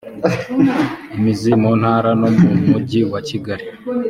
imizi mu ntara no mu mujyi wa kigali